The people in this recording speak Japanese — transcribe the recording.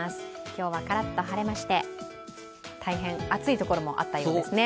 今日はからっと晴れまして大変暑いところもあったようですね。